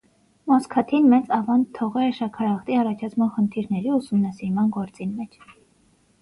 Մոսքաթին մեծ աւանդ թողեր է շաքարախտի առաջացման խնդիրներու ուսումնասիրման գործին մէջ։